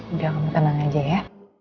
udah kamu tenang aja ya